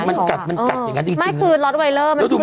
มันกัดมันกัดอย่างนั้นจริง